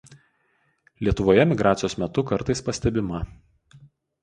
Lietuvoje migracijos metu kartais pastebima.